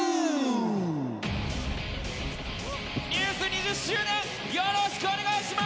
２０周年よろしくお願いします！